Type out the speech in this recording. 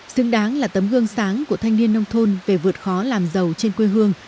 xứng đáng là tấm gương sáng của thanh niên nông thôn về vượt khó làm giàu trên quê hương